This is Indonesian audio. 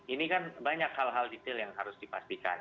ini kan banyak hal hal detail yang harus dipastikan